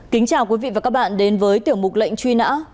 kính chào quý vị và các bạn đến với tiểu mục lệnh truy nã